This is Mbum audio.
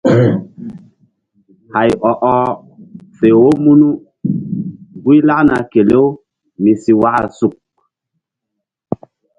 Hay ɔ ɔh fe wo munu huy lakna kelew mi si waka suk.